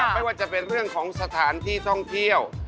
ไม่ว่าจะเป็นเรื่องของสถานที่ท่องเที่ยว